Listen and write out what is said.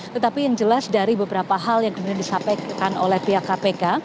tetapi yang jelas dari beberapa hal yang kemudian disampaikan oleh pihak kpk